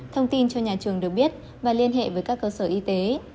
thông tin cho nhà trường được biết và liên hệ với các cơ sở y tế